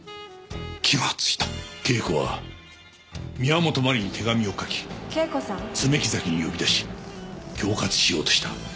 圭子は宮本真理に手紙を書き爪木崎に呼び出し恐喝しようとした。